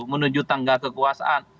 menuju tangga kekuasaan